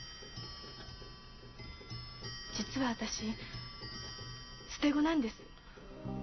実は私捨て子なんです。